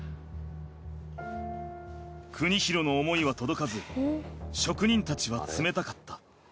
邦裕の思いは届かず職人たちは冷たかった。